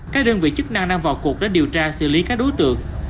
các đơn vị chức năng đang vào cuộc để điều tra xử lý các đối tượng